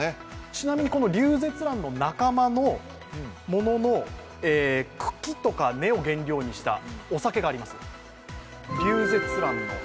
ちなみにリュウゼツランの仲間のものの茎とか根を原料にしたお酒があります。